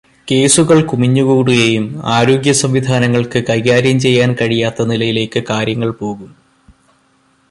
കേസുകൾ കുമിഞ്ഞു കൂടുകയും, ആരോഗ്യസംവിധാനങ്ങൾക്ക് കൈകാര്യം ചെയ്യാൻ കഴിയാത്ത നിലയിലേക്ക് കാര്യങ്ങൾ പോകും.